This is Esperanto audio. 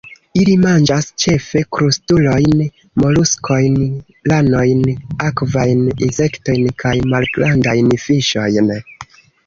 Ili manĝas ĉefe krustulojn, moluskojn, ranojn, akvajn insektojn kaj malgrandajn fiŝojn.